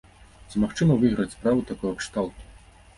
Ці магчыма выйграць справу такога кшталту?